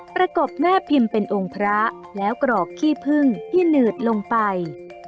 ประกบแม่พิมพ์เป็นองค์พระแล้วกรอกขี้พึ่งที่หนืดลงไป